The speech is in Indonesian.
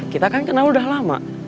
kita kan kenal udah lama